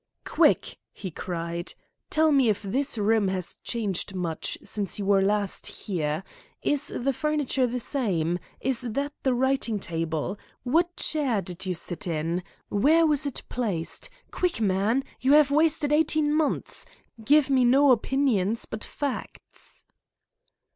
"Quick!" he cried. "Tell me if this room has changed much since you were last here. Is the furniture the same? Is that the writing table? What chair did you sit in? Where was it placed? Quick, man! You have wasted eighteen months. Give me no opinions, but facts."